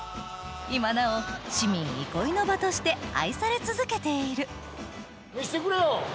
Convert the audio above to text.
今なお市民憩いの場として愛され続けている見せてくれよ！